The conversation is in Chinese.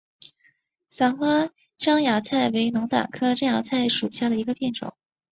伞花獐牙菜为龙胆科獐牙菜属下的一个变种。